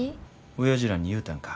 おやじらに言うたんか